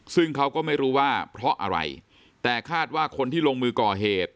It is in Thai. ซึ่งเขาก็ไม่รู้ว่าเพราะอะไรแต่คาดว่าคนที่ลงมือก่อเหตุ